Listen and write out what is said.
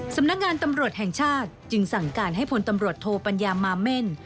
สำนักงานตำรวจแห่งชาติจึงสั่งการให้พลตำรวจโทปัญญามาเม่น